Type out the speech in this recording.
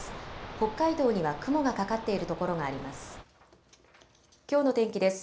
北海道には雲がかかっている所があります。